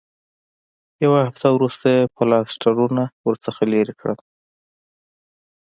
یوه هفته وروسته یې پلاسټرونه ورڅخه لرې کړل.